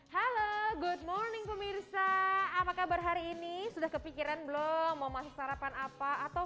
halo good morning pemirsa apa kabar hari ini sudah kepikiran belum mau masuk sarapan apa atau